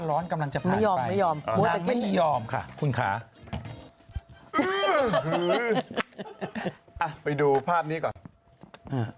ร้อนกำลังจะไม่ยอมไม่ยอมไม่ยอมค่ะคุณค่ะไปดูภาพนี้ก่อน